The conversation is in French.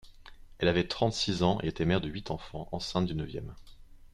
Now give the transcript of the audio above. Elle avait trente-six ans et était mère de huit enfants, enceinte du neuvième.